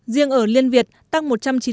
riêng ở liên việt tăng một trăm chín mươi